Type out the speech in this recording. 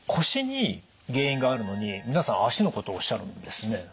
腰に原因があるのに皆さん足のことをおっしゃるんですね。